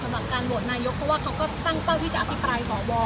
สำหรับการโหวตนายกเพราะว่าเขาก็ตั้งเป้าที่จะอภิปรายสว